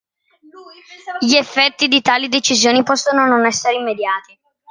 Gli effetti di tali decisioni possono non essere immediati.